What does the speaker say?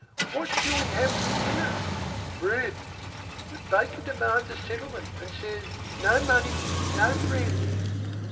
"What shall we have for dinner?" "Bread." "The baker demands a settlement, and says, 'no money, no bread.